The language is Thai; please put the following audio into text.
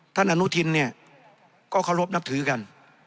อนุทินเนี่ยก็เคารพนับถือกัน